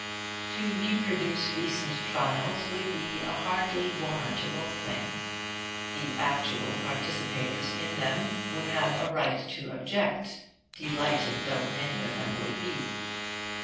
To reproduce recent trials would be a hardly warrantable thing. The actual participators in them would have a right to object (delighted though many of them would be).